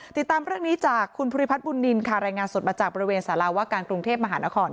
ติดตามเรื่องนี้จากคุณภูริพัฒนบุญนินค่ะรายงานสดมาจากบริเวณสารวการกรุงเทพมหานคร